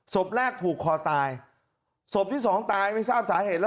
ศพ๑ผูกคอตายศพที่๒ตายไม่ทราบสาเหตุ